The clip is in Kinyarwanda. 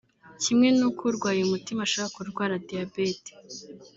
kimwe n’uko urwaye umutima ashobora kurwara diyabete